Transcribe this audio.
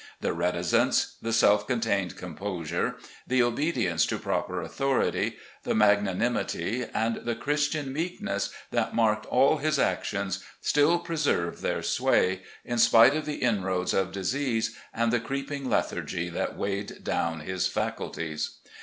The reticence, the self contained composure, the obedience to proper authority, the magnanimity, and the Christian meekness, that marked all his actions, still preserved their sway, in spite of the inroads of disease and the creeping lethargy that weighed down his faculties.